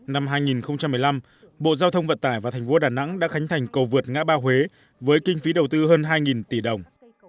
năm hai nghìn một mươi năm bộ giao thông vận tải và thành phố đà nẵng đã khánh thành cầu vượt ngã ba huế với kinh phí đầu tư hơn hai tỷ đồng